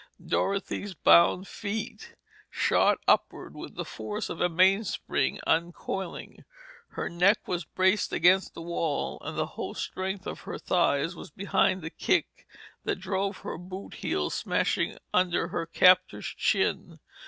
Dorothy's bound feet shot upward with the force of a mainspring uncoiling. Her neck was braced against the wall and the whole strength of her thighs was behind the kick that drove her boot heels smashing under her captor's chin.